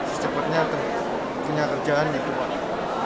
secepatnya punya kerjaannya